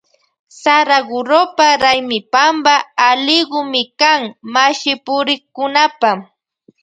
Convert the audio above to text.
Saragurupa raymipampa allikumi kan mashipurikkunapa.